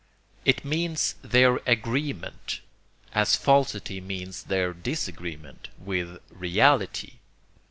It means their 'agreement,' as falsity means their disagreement, with 'reality.'